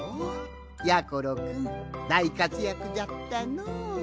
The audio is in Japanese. やころくんだいかつやくじゃったのう。